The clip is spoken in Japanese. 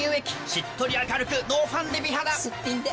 しっとり明るくノーファンデ美肌すっぴんで。